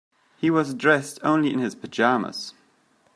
He was dressed only in his pajamas.